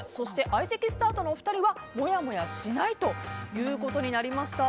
相席スタートのお二人はもやもやしないということになりました。